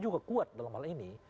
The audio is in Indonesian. juga kuat dalam hal ini